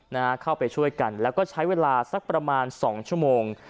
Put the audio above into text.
นะฮะเข้าไปช่วยกันแล้วก็ใช้เวลาสักประมาณสองชั่วโมง